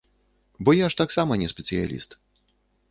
Бо я ж таксама не спецыяліст.